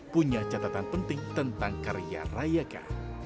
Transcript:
punya catatan penting tentang karya rayaka